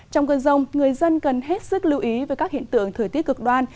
trong cơn rông người dân cần hết sức lưu ý về các hiện tượng thời tiết cực đoan